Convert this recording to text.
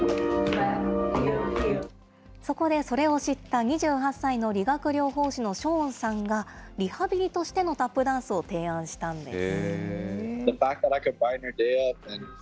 そこでそれを知った２８歳の理学療法士のショーンさんが、リハビリとしてのタップダンスを提案したんです。